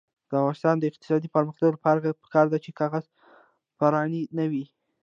د افغانستان د اقتصادي پرمختګ لپاره پکار ده چې کاغذ پراني نه وي.